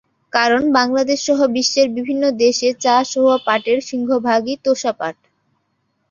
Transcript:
কারণ, বাংলাদেশসহ বিশ্বের বিভিন্ন দেশে চাষ হওয়া পাটের সিংহভাগই তোষা পাট।